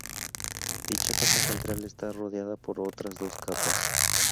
Dicha capa central está rodeada por otras dos capas.